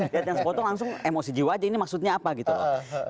lihat yang sepotong langsung emosi jiwa aja ini maksudnya apa gitu loh